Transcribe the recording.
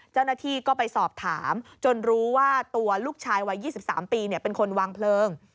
เจ้าหน้าที่ก็ไปสอบถามจนรู้ว่าตัวลูกชายวัย๒๓ปีเป็นคนวางเพลิง